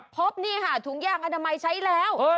พบนี่ค่ะถุงยางอนามัยใช้แล้ว